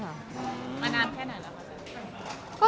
มานานแค่ไหนแล้วคะ